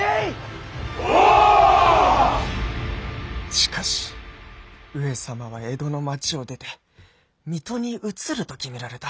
しかし上様は江戸の町を出て水戸に移ると決められた。